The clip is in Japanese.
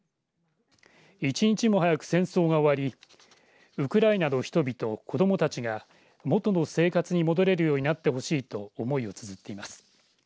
一日も早く戦争が終わりウクライナの人々、子どもたちが元の生活に戻れるようになってほしいと思いをつづっています。